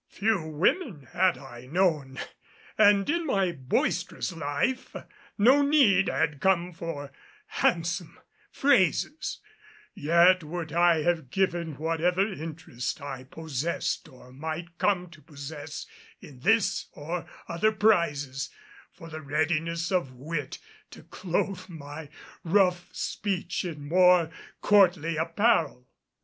Few women had I known, and in my boisterous life no need had come for handsome phrases, yet would I have given whatever interest I possessed or might come to possess in this or other prizes, for the readiness of wit to clothe my rough speech in more courtly apparel.